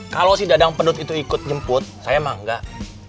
kalau si dadang pendut itu ikut nyemput saya mah enggak